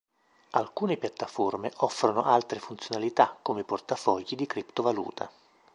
Alcune piattaforme offrono altre funzionalità come i portafogli di criptovaluta.